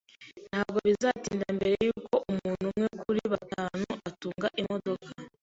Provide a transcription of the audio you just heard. Ntabwo bizatinda mbere yuko umuntu umwe kuri batanu atunga imodoka